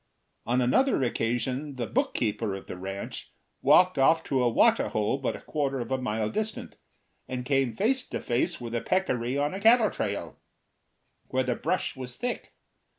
On another occasion the bookkeeper of the ranch walked off to a water hole but a quarter of a mile distant, and came face to face with a peccary on a cattle trail, where the brush was thick.